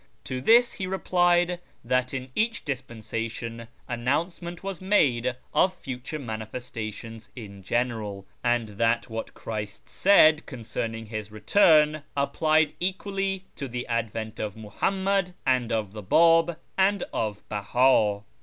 To this he replied that in each dispensation announcement was made of future manifestations in general, and that what Clirist said concerning His return applied equally to the advent of I Muhammad, and of the Bab, and of Beha.